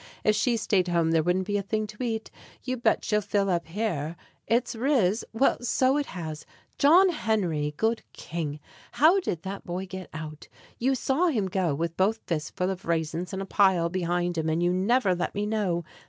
If she stayed home, there wouldn't be a thing To eat. You bet she'll fill up here! "It's riz?" Well, so it has. John Henry! Good king! How did that boy get out? You saw him go With both fists full of raisins and a pile Behind him, and you never let me know!